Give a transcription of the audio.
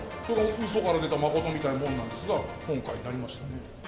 うそから出たまことみたいなもんなんですが、今回なりましたね。